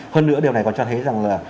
hơn nữa điều này còn cho thấy rằng là